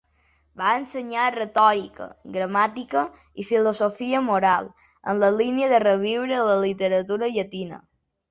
Va ensenyar retòrica, gramàtica i filosofia moral, en la línia de reviure la literatura llatina.